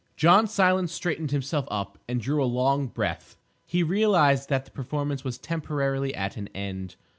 John Silence straightened himself up and drew a long breath. He realised that the performance was temporarily at an end.